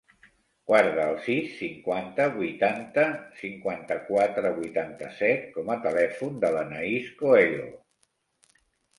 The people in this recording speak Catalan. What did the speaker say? Guarda el sis, cinquanta, vuitanta, cinquanta-quatre, vuitanta-set com a telèfon de l'Anaís Coelho.